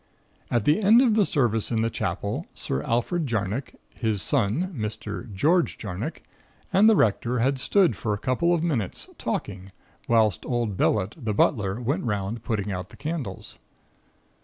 "At the end of the service in the Chapel, Sir Alfred Jarnock, his son Mr. George Jarnock, and the Rector had stood for a couple of minutes, talking, whilst old Bellett the butler went 'round, putting out the candles.